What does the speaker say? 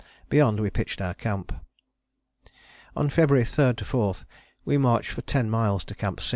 Beyond we pitched our camp. On February 3 4 we marched for ten miles to Camp 6.